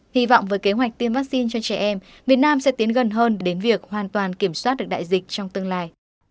hy vọng với kế hoạch tiêm vaccine cho trẻ em việt nam sẽ tiến gần hơn đến việc hoàn toàn kiểm soát được đại dịch trong tương lai